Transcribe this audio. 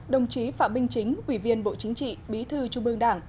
đồng chí phạm minh chính ủy viên bộ chính trị bí thư trung ương đảng